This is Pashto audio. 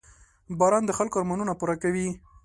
• باران د خلکو ارمانونه پوره کوي.